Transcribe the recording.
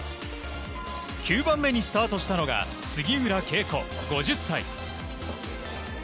９番目にスタートしたのが杉浦佳子、５０歳。